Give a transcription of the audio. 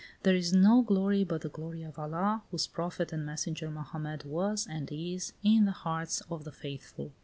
"There is no glory but the glory of Allah, whose prophet and messenger Mohammed was and is, in the hearts of the faithful.